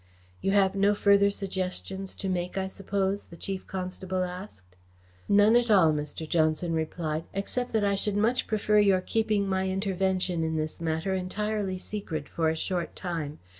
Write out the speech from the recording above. "You have no further suggestions to make, I suppose?" the Chief Constable asked. "None at all," Mr. Johnson replied, "except that I should much prefer your keeping my intervention in this matter entirely secret for a short time.